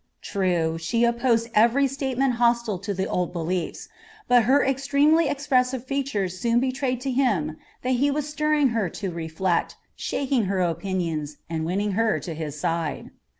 True, she opposed every statement hostile to the old beliefs; but her extremely expressive features soon betrayed to him that he was stirring her to reflect, shaking her opinions, and winning her to his side.